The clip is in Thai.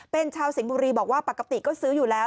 เป็นชาวสิงห์บุรีบอกว่าปกติก็ซื้ออยู่แล้ว